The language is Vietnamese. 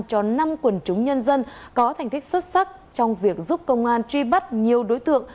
cho năm quần chúng nhân dân có thành tích xuất sắc trong việc giúp công an truy bắt nhiều đối tượng